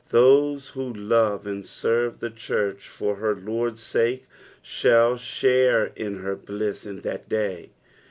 Those who love and serve tho church for her Lord's sake shall share in her bliss "in that day."